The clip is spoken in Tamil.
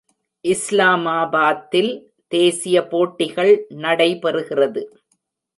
இஸ்லாமாபாத்தில் தேசிய போட்டிகள் நடைபெறுகிறது.